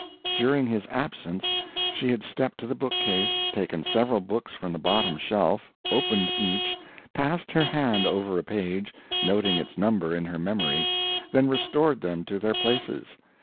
During his absence she had stepped to the bookcase, taken several books from the bottom shelf, opened each, passed her hand over a page, noting its number in her memory, then restored them to their places.